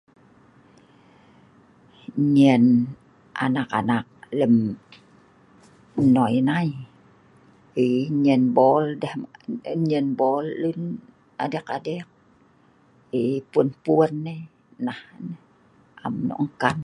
Nyen anak anak lem noi nai pi nyen bol deh ma nyen bol lun adek’ adek’ eii pun pun nai nah nyeh am nok kan